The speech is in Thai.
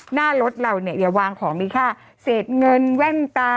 หน้ารถเราเนี่ยอย่าวางของมีค่าเศษเงินแว่นตา